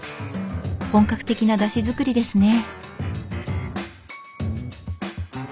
本格的なだし作りですね。